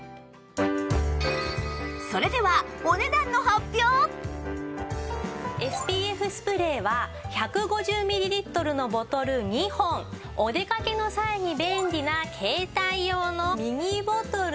それでは ＳＰＦ スプレーは１５０ミリリットルのボトル２本お出かけの際に便利な携帯用のミニボトル